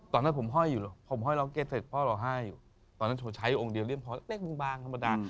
ตอนนั้นผมห้อยอยู่ผมห้อยล็อกเก็ตเสร็จพ่อรอห้าอยู่ตอนนั้นโฉชัยอยู่องค์เดียวเรียมพอเล็กบางธรรมดา